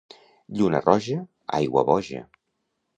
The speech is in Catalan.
Lluna roja, aigua boja.